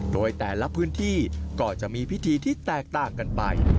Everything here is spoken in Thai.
โดยแต่ละพื้นที่ก็จะมีพิธีที่แตกต่างกันไป